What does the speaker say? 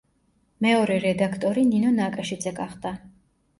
მეორე რედაქტორი ნინო ნაკაშიძე გახდა.